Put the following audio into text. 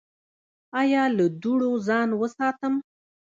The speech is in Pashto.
ایا له دوړو ځان وساتم؟